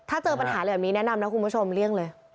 ถ้าเจอปัญหาอะไรแบบนี้แนะนำนะคุณผู้ชมเลี่ยงเลย